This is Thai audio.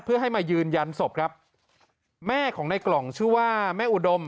เพื่อให้มายืนยันศพครับแม่ของในกล่องชื่อว่าแม่อุดม